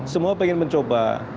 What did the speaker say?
semua pengen mencoba